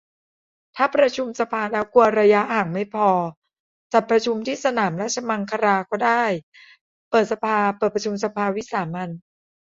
ถ้าประชุมสภาแล้วกลัวระยะหางไม่พอ จัดประชุมที่สนามราชมังคลาก็ได้ เปิดสภา เปิดประชุมสภาวิสามัญ